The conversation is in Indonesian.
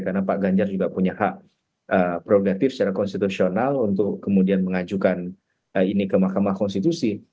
karena pak ganjar juga punya hak pruritif secara konstitusional untuk kemudian mengajukan ini ke mahkamah konstitusi